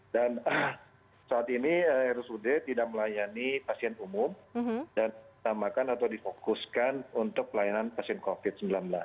dan saat ini rsud tidak melayani pasien umum dan ditambahkan atau difokuskan untuk pelayanan pasien covid sembilan belas